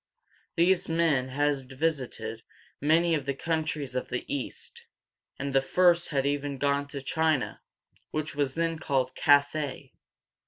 These men had visited many of the countries of the East, and the first had even gone to China, which was then called Ca thay´.